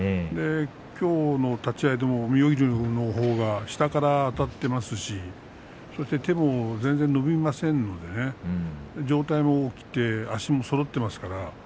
きょうの立ち合いでも妙義龍のほうが下からあたってますし手も全然伸びませんので上体も起きて足もそろっています。